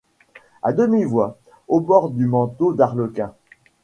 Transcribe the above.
A demi-voix, au bord du manteau d’arlequin